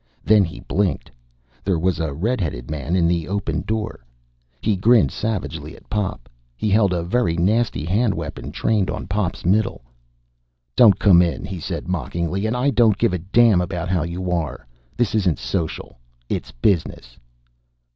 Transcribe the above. Then he blinked. There was a red headed man in the opened door. He grinned savagely at Pop. He held a very nasty hand weapon trained on Pop's middle. "Don't come in!" he said mockingly. "And I don't give a damn about how you are. This isn't social. It's business!"